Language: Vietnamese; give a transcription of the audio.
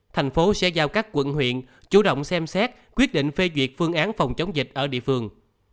thành phố sẽ giao các quận huyện chủ động xem xét quyết định phê duyệt phương án phòng chống dịch ở địa phương